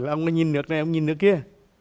là ông nhìn được này ông nhìn được kia